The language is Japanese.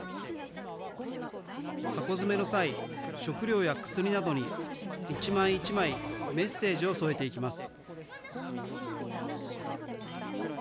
箱詰めの際、食料や薬などに、一枚一枚メッセージを添えていきます。